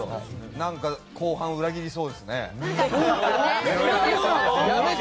何か後半、裏切りそうですね？